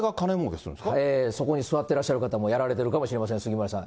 そこに座ってらっしゃる方もやられてるかもしれません、杉村さん。